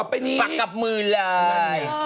ปักกับมือเลย